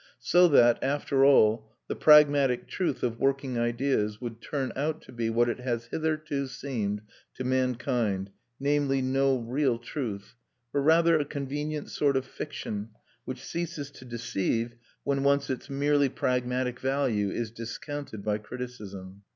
So that, after all, the pragmatic "truth" of working ideas would turn out to be what it has seemed hitherto to mankind, namely, no real truth, but rather a convenient sort of fiction, which ceases to deceive when once its merely pragmatic value is discounted by criticism.